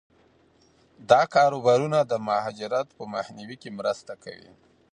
دا کاروبارونه د مهاجرت په مخنیوي کې مرسته کوي.